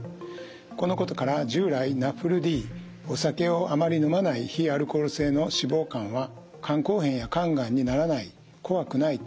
このことから従来ＮＡＦＬＤお酒をあまり飲まない非アルコール性の脂肪肝は肝硬変や肝がんにならない怖くないと見られてきました。